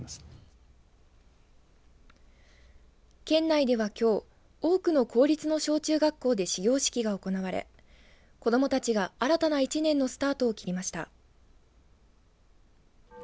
県内では、きょう多くの公立の小中学校で始業式が行われ、子どもたちが新たな１年のスタートを切りました。